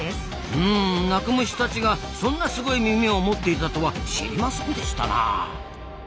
うん鳴く虫たちがそんなすごい耳を持っていたとは知りませんでしたなあ。